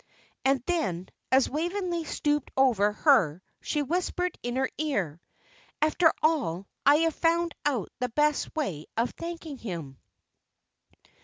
And then, as Waveney stooped over her, she whispered in her ear: "After all, I have found out the best way of thanking him."